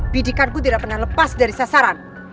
bijikanku tidak pernah lepas dari sasaran